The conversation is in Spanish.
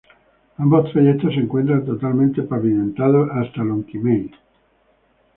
Ambos trayectos se encuentran totalmente pavimentados hasta Lonquimay.